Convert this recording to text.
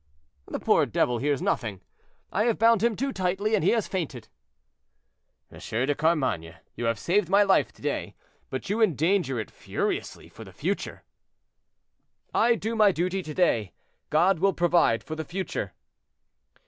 "The poor devil hears nothing; I have bound him too tightly, and he has fainted." "M. de Carmainges, you have saved my life to day, but you endanger it furiously for the future." "I do my duty to day; God will provide for the future."